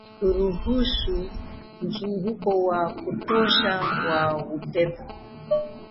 kuruhusu mzunguko wa kutosha wa upepo